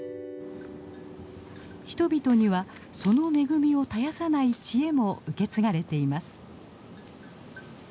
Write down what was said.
人々にはその恵みを絶やさない知恵も受け継がれています。